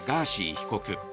被告。